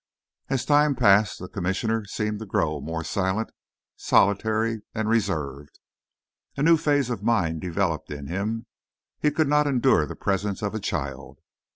As time passed, the Commissioner seemed to grow more silent, solitary, and reserved. A new phase of mind developed in him. He could not endure the presence of a child.